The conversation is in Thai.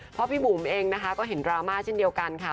เพราะพี่บุ๋มเองนะคะก็เห็นดราม่าเช่นเดียวกันค่ะ